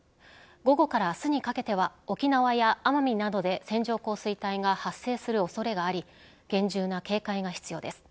午後から明日にかけては沖縄や奄美などで線状降水帯が発生する恐れがあり厳重な警戒が必要です。